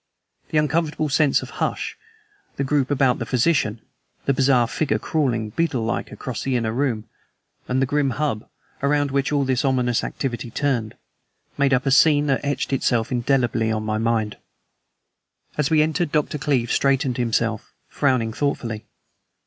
The uncomfortable sense of hush, the group about the physician, the bizarre figure crawling, beetle like, across the inner room, and the grim hub, around which all this ominous activity turned, made up a scene that etched itself indelibly on my mind. As we entered Dr. Cleeve straightened himself, frowning thoughtfully.